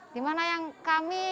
dimana yang kami